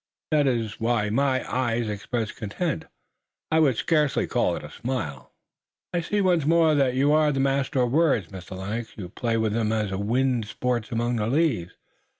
That is why my eyes expressed content I would scarcely call it a smile." "I see once more that you're a master of words, Mr. Lennox. You play with them as the wind sports among the leaves."